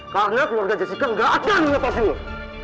karena keluarga jessica gak akan lepas dulu